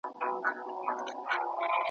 « څوک د درست جهان پاچا ظاهر ګدا وي» ,